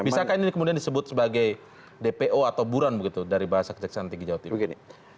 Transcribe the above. bisakah ini kemudian disebut sebagai dpo atau buron begitu dari bahasa kejaksaan tinggi jawa timur ini